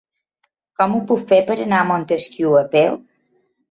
Com ho puc fer per anar a Montesquiu a peu?